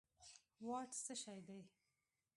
واټ څه شی دي